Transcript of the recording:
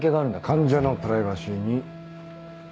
患者のプライバシーに。